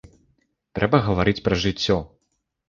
Трэба гаварыць пра жыццё!